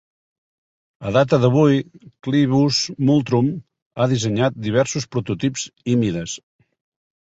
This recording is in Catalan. A data d'avui, Clivus Multrum ha dissenyat diversos prototips i mides.